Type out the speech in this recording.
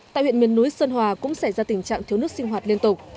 tại huyện miền núi sơn hòa cũng xảy ra tình trạng thiếu nước sinh hoạt liên tục